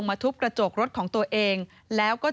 นี่เป็นคลิปวีดีโอจากคุณบอดี้บอยสว่างอร่อย